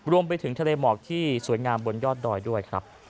รวมไปถึงทะเลหมอกที่สวยงามบนยอดดอยด้วยครับ